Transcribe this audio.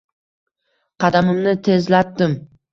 Qadamimni tezlatdim